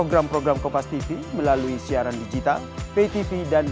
akan mencalonkan diri kembali di munas nanti pak